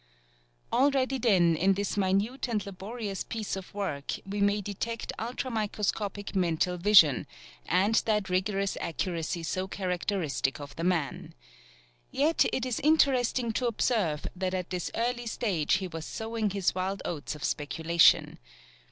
Already, then, in this minute and laborious piece of work, we may detect ultra microscopic mental vision, and that rigorous accuracy so characteristic of the man. Yet it is interesting to observe that at this early stage he was sowing his wild oats of speculation.